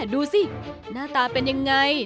ดูสิหน้าตาเป็นยังไง